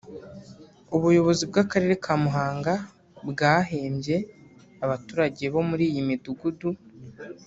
ubuyobozi bw’akarere ka Muhanga bwahembye abaturage bo muri iyi midugugu